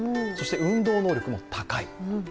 そして運動能力も高い。